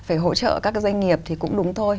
phải hỗ trợ các cái doanh nghiệp thì cũng đúng thôi